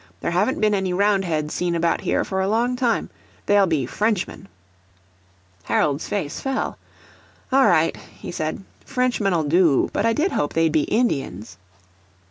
There haven't been any Roundheads seen about here for a long time. They'll be Frenchmen." Harold's face fell. "All right," he said; "Frenchmen'll do; but I did hope they'd be Indians."